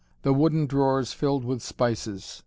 The wooden drawers filled with spices.